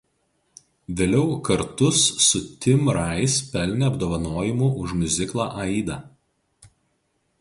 Vėliau kartus su Tim Rice pelnė apdovanojimų už miuziklą „Aida“.